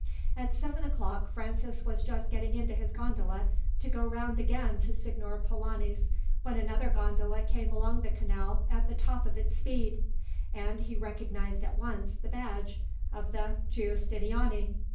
At seven o'clock, Francis was just getting into his gondola to go round again to Signor Polani's, when another gondola came along the canal at the top of its speed, and he recognized at once the badge of the Giustiniani.